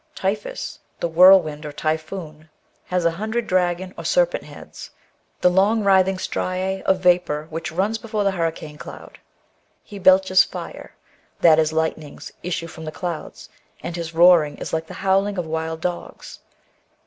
Typhoeus, the whirlwind or typhoon, has a hundred dragon or serpent heads, the long writhing striaB of vapour which run before the hurricane cloud. He belches fire, that is, lightnings issue fi om the clouds, and his roaring is like the howUng of wild dogs.